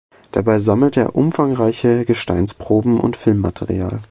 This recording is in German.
Dabei sammelte er umfangreiche Gesteinsproben und Filmmaterial.